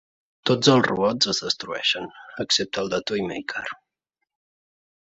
Tots els robots es destrueixen excepte el de Toymaker.